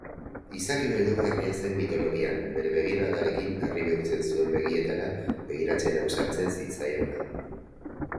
Izaki beldurgarria zen mitologian, bere begiradarekin harri bihurtzen zuen begietara begiratzen ausartzen zitzaiona.